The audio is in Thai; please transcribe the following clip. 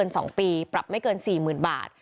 ไม่เกินสองปีปรับไม่เกินสี่หมื่นบาท